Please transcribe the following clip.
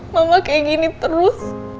kayak gini terus